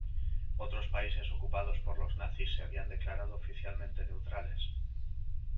Otros países ocupados por los nazis se habían declarado oficialmente neutrales.